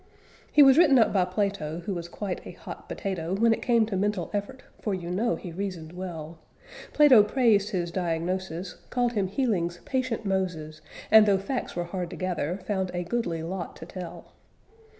He was written up by Plato (who was quite a hot potato when it came to mental effort, for you know he reasoned well); Plato praised his diagnosis, called him healing's patient Moses, and though facts were hard to gather, found a goodly lot to tell.